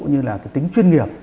ví dụ như là tính chuyên nghiệp